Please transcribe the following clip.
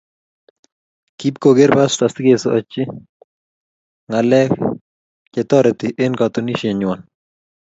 Kipkoker pastor sikekochi ngalek chetareti eng katunisiet nywan.